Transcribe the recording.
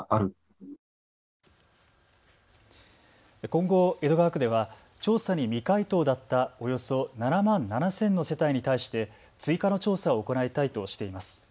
今後、江戸川区では調査に未回答だった、およそ７万７０００の世帯に対して追加の調査を行いたいとしています。